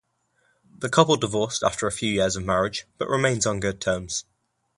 The couple divorced after a few years of marriage, but remains on good terms.